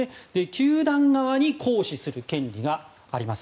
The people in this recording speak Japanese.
球団側に行使する権利があります。